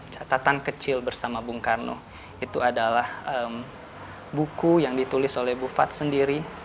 catatan kecil bersama bung karno itu adalah buku yang ditulis oleh bu fat sendiri